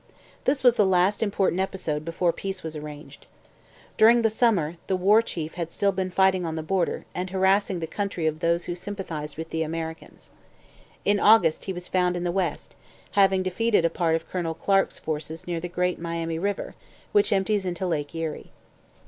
This was the last important episode before peace was arranged. During the summer the War Chief had still been fighting on the border and harassing the country of those who sympathized with the Americans. In August he was found in the west, having defeated a part of Colonel Clark's forces near the Great Miami river, which empties into Lake Erie.